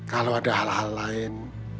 kalau ada hal hal lain